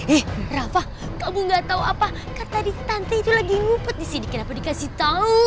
ih rafa kamu gak tau apa kan tadi tante itu lagi ngupet disini kenapa dikasih tau